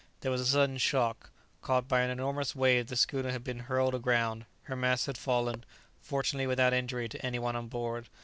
There was a sudden shock. Caught by an enormous wave the schooner had been hurled aground; her masts had fallen, fortunately without injury to any one on board.